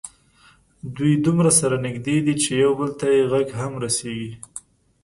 دوی دومره سره نږدې دي چې یو بل ته یې غږ هم رسېږي.